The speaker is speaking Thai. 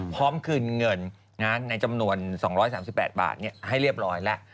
พร้อมคืนเงินในจำนวน๒๓๘บาทให้เรียบร้อยแล้ว